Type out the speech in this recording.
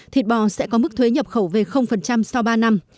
thịt bò sẽ có mức thuế nhập khẩu về sau ba năm